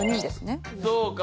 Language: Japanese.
そうか。